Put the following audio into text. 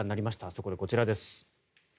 そこでこちらです。